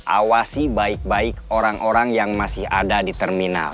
awasi baik baik orang orang yang masih ada di terminal